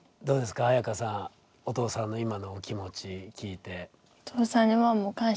綾華さんお父さんの今のお気持ち聞いて。